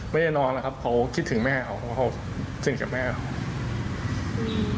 ไม่ได้นอนหรอกครับเขาคิดถึงแม่เขาเขาสิ้นกับแม่เขา